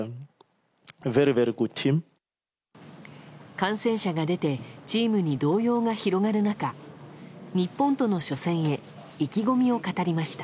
感染者が出てチームに動揺が広がる中日本との初戦へ意気込みを語りました。